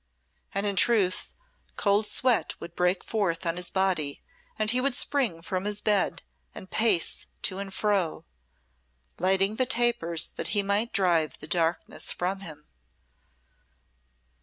And, in truth, cold sweat would break forth on his body and he would spring from his bed and pace to and fro, lighting the tapers that he might drive the darkness from him.